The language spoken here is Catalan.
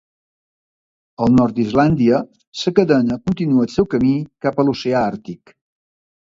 Al nord d'Islàndia, la cadena continua el seu camí cap a l'oceà Àrtic.